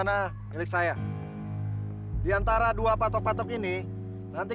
masih lanjut vnd masa